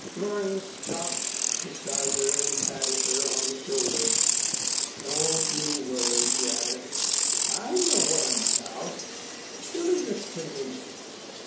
Loring stopped beside her and patted her on the shoulder. "Don't you worry, Janet. I know what I'm about. You leave this to me.